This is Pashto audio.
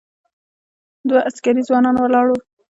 دوه عسکري ځوانان ولاړ و.